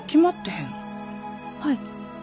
はい。